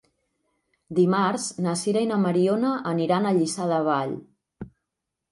Dimarts na Sira i na Mariona aniran a Lliçà de Vall.